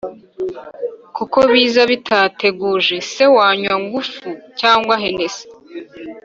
kuko biza bidateguje se wanywa nguvu cyangwa henesi